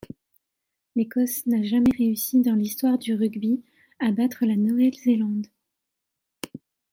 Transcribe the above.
L'Écosse n'a jamais réussi dans l'histoire du rugby, à battre la Nouvelle-Zélande.